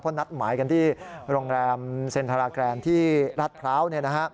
นัดหมายกันที่โรงแรมเซ็นทราแกรนที่รัฐพร้าว